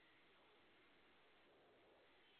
Esta mención no ocurre en ninguna otra parte.